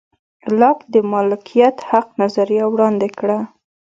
لاک د مالکیت حق نظریه وړاندې کړه.